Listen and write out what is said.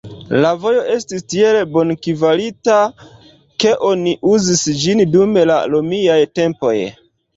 La vojo estis tiel bonkvalita, ke oni uzis ĝin dum la romiaj tempoj.